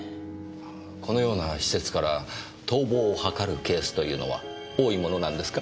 このような施設から逃亡を図るケースというのは多いものなんですか？